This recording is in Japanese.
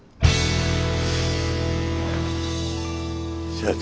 社長！？